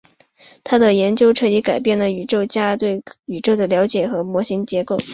她的研究彻底改变了宇宙学家对宇宙的了解和模型建构。